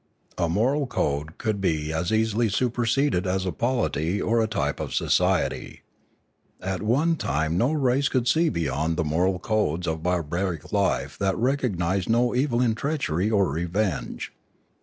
A moral code could be as easily superseded as a polity or a type of society. At one time no race could see beyond the moral codes of barbaric life that recognised no evil in treachery or revenge.